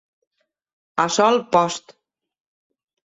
A sol post.